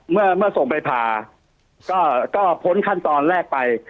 เมื่อส่งไปผ่าก็พ้นขั้นตอนแรกไป